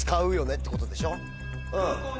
ってことでしょ。